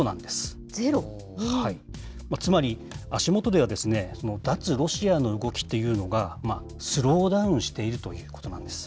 つまり、足元では脱ロシアの動きというのが、スローダウンしているということなんです。